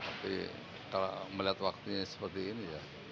tapi kalau melihat waktunya seperti ini ya